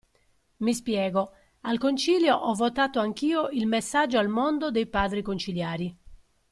Mi spiego: al Concilio ho votato anch'io il Messaggio al Mondo dei Padri Conciliari.